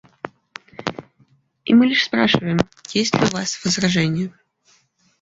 И мы лишь спрашиваем, есть ли у вас возражения.